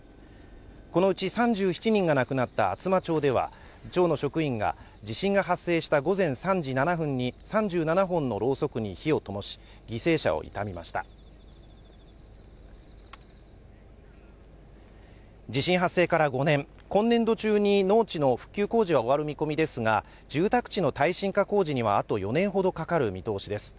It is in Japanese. このうち３７人が亡くなった厚真町では町の職員が地震が発生した午前３時７分に３７本のろうそくに火をともし犠牲者を悼みました地震発生から５年今年度中に農地の復旧工事は終わる見込みですが住宅地の耐震化工事にはあと４年ほどかかる見通しです